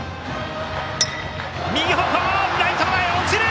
右方向、ライト前落ちる！